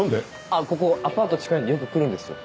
あぁここアパート近いんでよく来るんですよ。